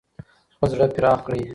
خپل زړه پراخ کړئ.